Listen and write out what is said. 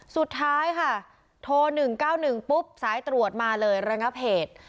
สุดท้ายค่ะโทร๑๙๑ปุ๊บสายตรวจมาเลยระงับเหตุ